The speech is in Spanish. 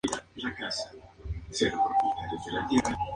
Su hábitat natural son: las cuevas